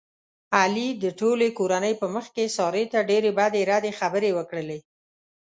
علي د ټولې کورنۍ په مخ کې سارې ته ډېرې بدې ردې خبرې وکړلې.